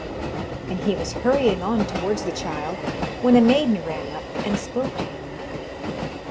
And he was hurrying on towards the child, when a maiden ran up and spoke to him.